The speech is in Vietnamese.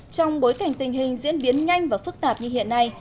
trong bối cảnh tình hình diễn biến nhanh và phức tạp như hiện nay